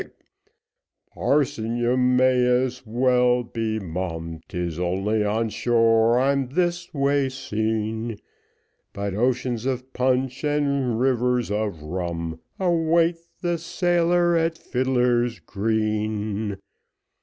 Parson, you may as well be mum, 'Tis only on shore I'm this way seen; But oceans of punch, and rivers of rum, Await the sailor at Fidler's Green.